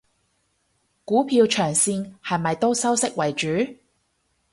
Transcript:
股票長線係咪都收息為主？